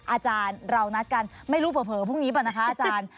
อาจารย์เรานัดกันไม่รู้เผลอพรุ่งนี้ป่ะนะคะอาจารย์